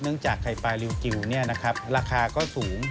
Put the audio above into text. เนื่องจากไข่ปลาริวกิวนี่นะครับราคาก็สูง